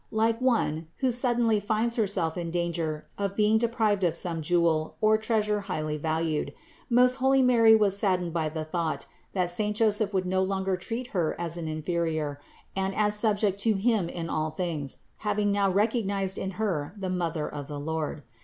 Like one, who suddenly finds herself in danger of being deprived of some jewel or treasure highly valued, most holy Mary was saddened by the thought that saint Joseph would no longer treat Her as an inferior and as subject to him in all things, having now recog nized in Her the Mother of the Lord.